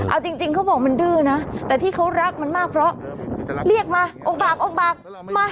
เอาจริงเขาบอกมันดื้อนะแต่ที่เขารักมันมากเพราะเรียกมาอกบากอกบากมา